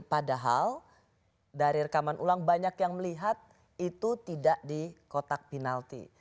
padahal dari rekaman ulang banyak yang melihat itu tidak di kotak penalti